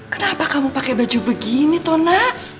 kenapa kamu pakai baju begini tona